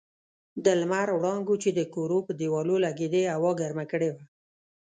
د لمر وړانګو چې د کورو پر دېوالو لګېدې هوا ګرمه کړې وه.